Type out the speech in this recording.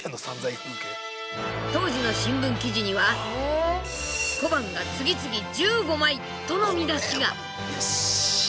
当時の新聞記事には「小判がつぎつぎ１５枚」との見出しが。